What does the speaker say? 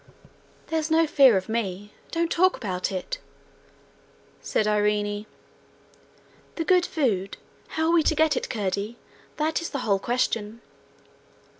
'There's no fear of me; don't talk about me,' said Irene. 'The good food! How are we to get it, Curdie? That is the whole question.'